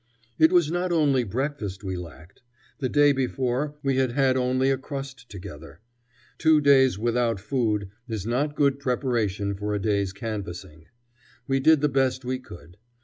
It was not only breakfast we lacked. The day before we had had only a crust together. Two days without food is not good preparation for a day's canvassing. We did the best we could.